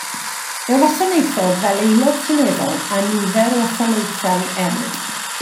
Fe wasanaethodd fel Aelod Seneddol a nifer o etholaethau eraill.